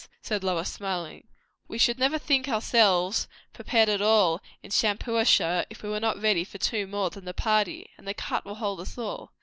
said Lois, smiling. "We should never think ourselves prepared at all, in Shampuashuh, if we were not ready for two more than the party. And the cart will hold us all."